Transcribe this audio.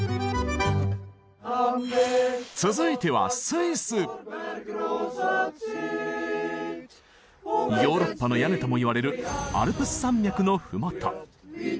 続いてはヨーロッパの屋根ともいわれるアルプス山脈の麓。